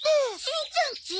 しんちゃんち？